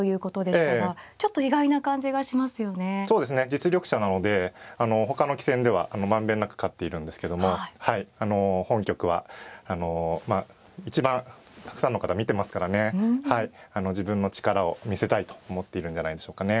実力者なのでほかの棋戦ではまんべんなく勝っているんですけどもはいあの本局はあのまあ一番たくさんの方見てますからね自分の力を見せたいと思っているんじゃないでしょうかね。